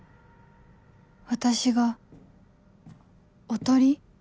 私がおとり？